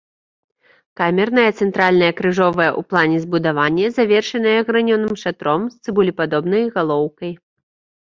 Камернае цэнтральнае крыжовае ў плане збудаванне, завершанае гранёным шатром з цыбулепадобнай галоўкай.